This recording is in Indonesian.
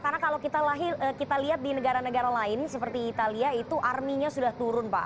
karena kalau kita lihat di negara negara lain seperti italia itu arminya sudah turun pak